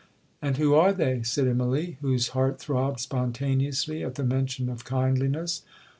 '—'And who are they?' said Immalee, whose heart throbbed spontaneously at the mention of kindliness.